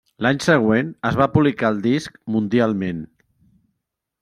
L'any següent es va publicar el disc mundialment.